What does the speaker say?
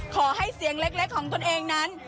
ขอให้เสียงเล็กของตนเองนั้น